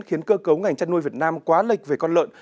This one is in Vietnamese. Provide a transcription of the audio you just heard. khiến cơ cấu ngành chăn nuôi việt nam quá lệch về con lợn